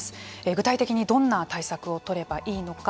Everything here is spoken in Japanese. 具体的にどんな対策を取ればいいのか。